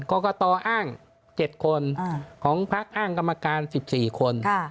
กรกตอ้าง๗คนของพักอ้างกรรมการ๑๔คน